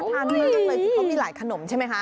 น่าทานมากเลยเพราะมีหลายขนมใช่ไหมคะ